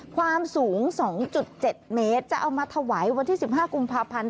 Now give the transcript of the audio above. ความสูง๒๗เมตรจะเอามาถวายวันที่๑๕กุมภาพันธ์